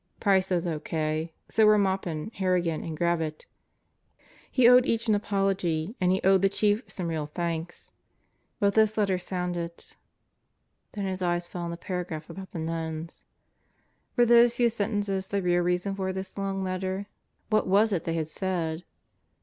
Price was O.K. So were Maupin, Harri gan, and Gravitt. He owed each an apology and he owed the Chief some real thanks. But this letter sounded ... Then his eyes fell on the paragraph about the nuns. Were those few sentences the real reason for this long letter? What was it they had said?